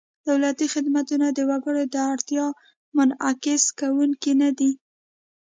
دولتي خدمتونه د وګړو د اړتیاوو منعکس کوونکي نهدي.